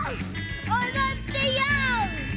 おどってよし！